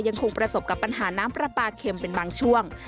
ยังคงประสบกับปัญหาน้ำปลาปลาเข็มเป็นบางช่วง